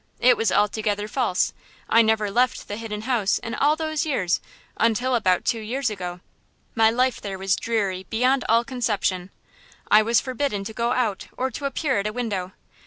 It was altogether false! I never left the Hidden House in all those years until about two years ago. My life there was dreary beyond all conception. I was forbidden to go out or to appear at a window.